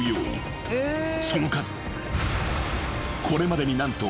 ［その数これまでに何と］